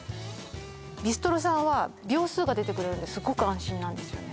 ビストロさんは秒数が出てくれるのですごく安心なんですよね